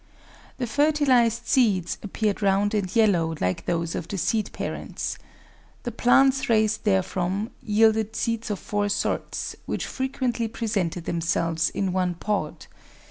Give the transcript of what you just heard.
The fertilised seeds appeared round and yellow like those of the seed parents. The plants raised therefrom yielded seeds of four sorts, which frequently presented themselves in one pod.